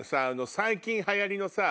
最近流行りのさ